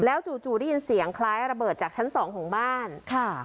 จู่จู่ได้ยินเสียงคล้ายระเบิดจากชั้นสองของบ้านค่ะ